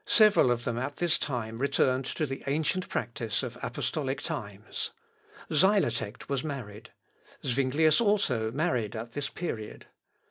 Several of them at this time returned to the ancient practice of apostolic times. Xylotect was married. Zuinglius also married at this period.